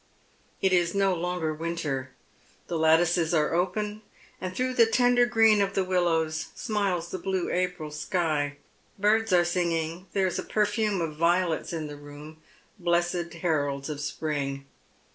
It is no longer winter. The lattices are open, and through the tender green of the willows smiles the blue April sky. Birds are singing — there is a perfume of violets in the room — blessed heralds of spring.